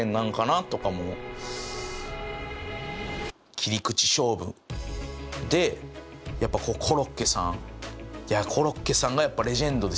切り口勝負でやっぱコロッケさんいやコロッケさんがやっぱレジェンドですよね。